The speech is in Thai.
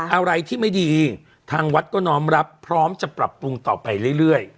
อะไรที่ไม่ดีทางวัดก็น้อมรับพร้อมจะปรับปรุงต่อไปเรื่อย